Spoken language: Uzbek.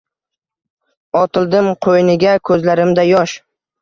Otildim qo’yniga, ko’zlarimda yosh.